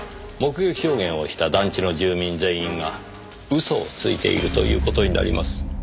目撃証言をした団地の住民全員が嘘をついているという事になります。